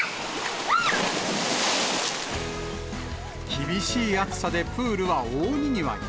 厳しい暑さでプールは大にぎわい。